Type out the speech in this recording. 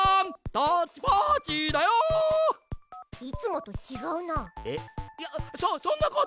いつもとちがうな。